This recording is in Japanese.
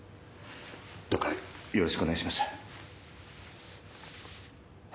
どうかよろしくお願いします。